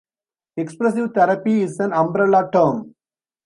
Expressive therapy is an umbrella term.